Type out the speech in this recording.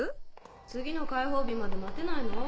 次の開放日まで待てないの？